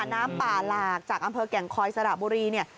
น้ำป่าหลากจากอำเภอแก่งคอยสระบุรีเนี่ย